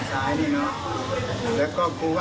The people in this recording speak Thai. คือทำเสร็จหมดแล้วค่ะ